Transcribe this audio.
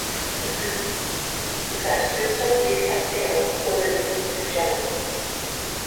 The "Santo Christo de Castello" was en route to Genoa.